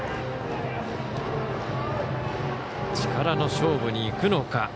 力の勝負にいくのか。